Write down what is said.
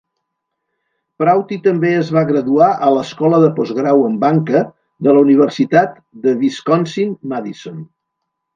Prouty també es va graduar a l'Escola de Postgrau en Banca de la Universitat de Wisconsin-Madison.